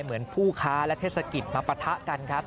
เหมือนผู้ค้าและเทศกิจมาปะทะกันครับ